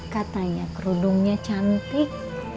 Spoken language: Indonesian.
katanya kerudungnya cantik